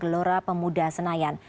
gelora pemuda senayan